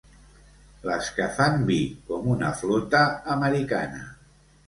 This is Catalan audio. Les que fan vi, com una flota americana.